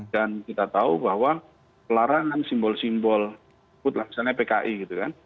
dan kita tahu bahwa pelarangan simbol simbol misalnya pki gitu kan